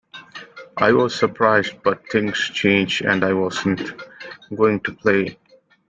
I was surprised but things change and I wasn't going to play.